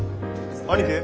兄貴？